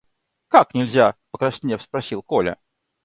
– Как нельзя? – покраснев, спросил Коля.